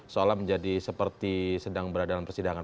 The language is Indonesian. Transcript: seolah menjadi seperti sedang berada dalam persidangan